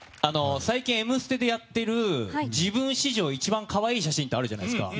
最近、「Ｍステ」でやっている自分史上一番かわいい写真ってあるじゃないですか。